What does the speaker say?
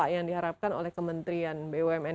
yang diharapkan oleh kementerian bumn